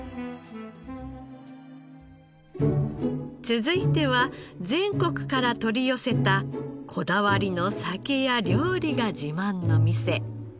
続いては全国から取り寄せたこだわりの酒や料理が自慢の店。